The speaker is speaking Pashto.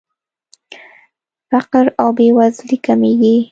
فقر او بېوزلي کمیږي.